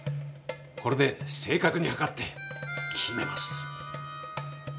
これで正確に測って決めます。